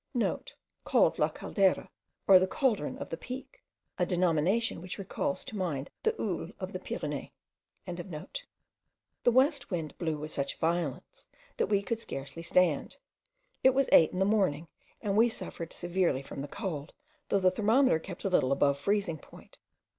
*(* Called La Caldera, or the caldron of the peak, a denomination which recalls to mind the Oules of the Pyrenees.) The west wind blew with such violence that we could scarcely stand. It was eight in the morning, and we suffered severely from the cold, though the thermometer kept a little above freezing point.